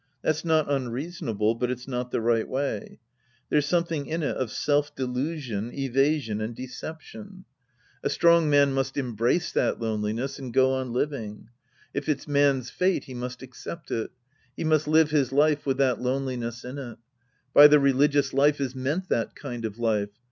That's not unreasonable, but it's not the right way. There's something in it of self delusion, evasion and deception. \ Sc. II The Priest and His Disciples 125 A strong man must embrace that loneliness and go on living. If it's man's fate, he must accept it. He must live his life with that loneJness in it. By the religious life is meant that kind of life.